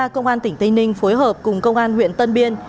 công an tỉnh tây ninh phối hợp cùng công an huyện tân biên